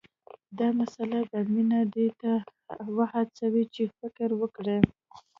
دا مسله به مينه دې ته وهڅوي چې فکر وکړي